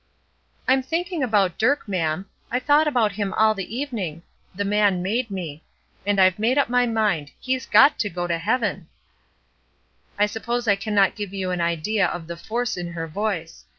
"I'm thinking about Dirk, ma'am; I thought about him all the evening; the man made me; and I've made up my mind; he's got to go to heaven!" I suppose I cannot give you an idea of the force in her voice.